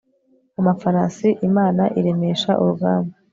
amafarasi imana iremesha urugamba